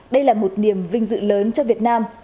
đây là một niềm vinh dự lớn cho việt nam